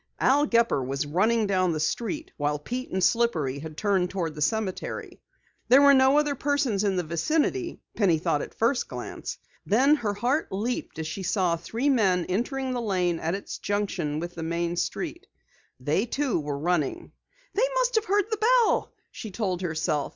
Al Gepper was running down the street, while Pete and Slippery had turned toward the cemetery. There were no other persons in the vicinity, Penny thought at first glance. Then her heart leaped as she saw three men entering the Lane at its junction with the main street. They, too, were running. "They must have heard the bell!" she told herself.